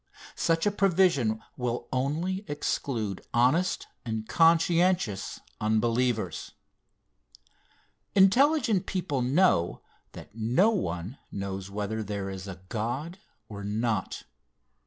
Such a provision will only exclude honest and conscientious unbelievers. Intelligent people know that 110 one knows whether there is a God or not.